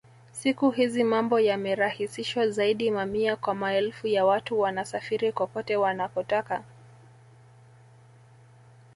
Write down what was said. Siku hizi mambo yamerahisishwa zaidi mamia kwa maelfu ya watu wanasafiri kokote wanakotaka